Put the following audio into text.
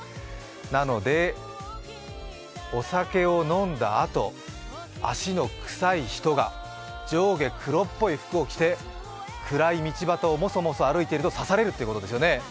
なのでお酒を飲んだあと足の臭い人が上下黒っぽい服を着て暗い道端をもそもそ歩いていると刺されるということですよね。